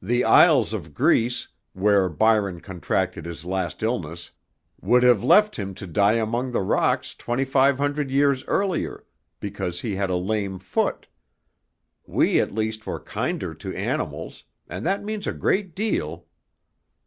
The isles of Greece, where Byron contracted his last illness, would have left him to die among the rocks twenty five hundred years earlier, because he had a lame foot. We at least were kinder to animals, and that means a great deal."